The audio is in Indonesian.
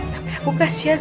tapi aku kasihan